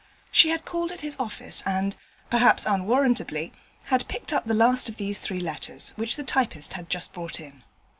She had called at his office, and (perhaps unwarrantably) had picked up the last of these three letters, which the typist had just brought in.